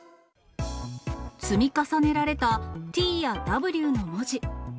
積み重ねられたｔやｗの文字。